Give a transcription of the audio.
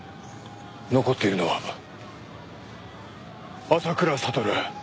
残っているのは浅倉悟。